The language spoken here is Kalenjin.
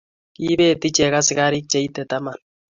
Kiipet ichek askarik che itei taman